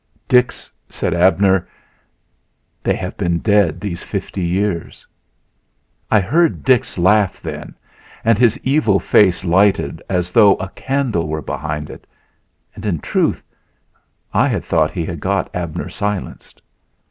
"Dix," said Abner, "they have been dead these fifty years." I heard Dix laugh then, and his evil face lighted as though a candle were behind it. And, in truth, I thought he had got Abner silenced.